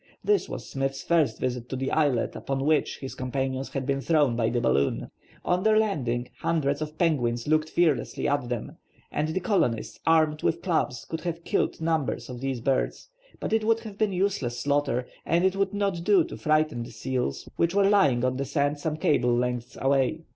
This was Smith's first visit to the islet upon which his companions had been thrown by the balloon. On their landing, hundreds of penguins looked fearlessly at them, and the colonists armed with clubs could have killed numbers of these birds, but it would have been useless slaughter, and it would not do to frighten the seals which were lying on the sand some cable lengths away.